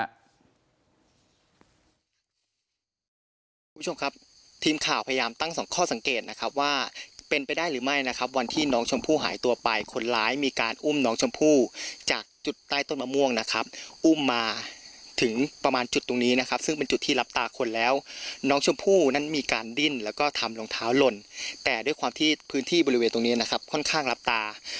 คุณผู้ชมครับทีมข่าวพยายามตั้งสองข้อสังเกตนะครับว่าเป็นไปได้หรือไม่นะครับวันที่น้องชมพู่หายตัวไปคนร้ายมีการอุ้มน้องชมพู่จากจุดใต้ต้นมะม่วงนะครับอุ้มมาถึงประมาณจุดตรงนี้นะครับซึ่งเป็นจุดที่รับตาคนแล้วน้องชมพู่นั้นมีการดิ้นแล้วก็ทำรองเท้าหล่นแต่ด้วยความที่พื้นที่บริเวณตรงนี้นะครับค่อนข้างรับตา